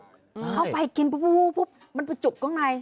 เข้าไปกินปุ๊บปุ๊บมันจะจุกตรงใน